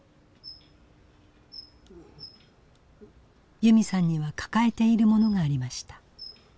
由美さんには抱えているものがありました。